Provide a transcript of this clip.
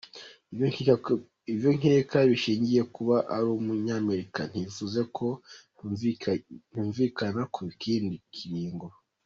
"Ivyo nkeka bishingiye ku kuba ari umunyamerika, ntivyakunze ko twumvikana ku kindi kiringo.